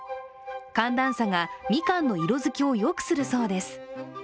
寒暖差がみかんの色づけを良くするそうです。